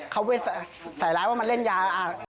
เขาไปใส่ร้ายว่ามันเล่นยา